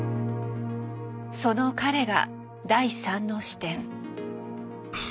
その彼が第３の視点。